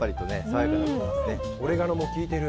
オレガノも効いてる。